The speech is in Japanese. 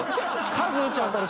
数撃ちゃ当たる。